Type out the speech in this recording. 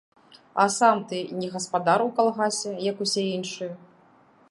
А сам ты не гаспадар у калгасе, як усе іншыя?